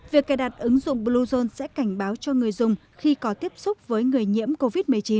việc cài đặt ứng dụng bluezone sẽ cảnh báo cho người dùng khi có tiếp xúc với người nhiễm covid một mươi chín